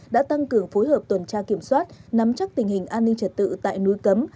đã tăng cường phối hợp tuần tra kiểm soát nắm chắc tình hình an ninh trật tự tại núi cấm